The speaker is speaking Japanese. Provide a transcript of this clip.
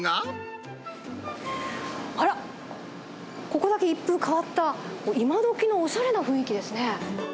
あらっ、ここだけ一風変わった、今どきのおしゃれな雰囲気ですね。